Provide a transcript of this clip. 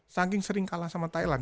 saking sering kalah sama thailand